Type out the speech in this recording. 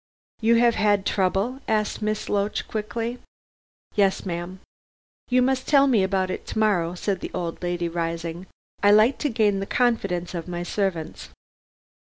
"You have had trouble?" asked Miss Loach quickly. "Yes, ma'am!" "You must tell me about it to morrow," said the old lady rising. "I like to gain the confidence of my servants.